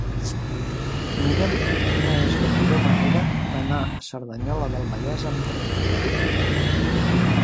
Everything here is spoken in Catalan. Mira'm quina és la millor manera d'anar a Cerdanyola del Vallès amb tren.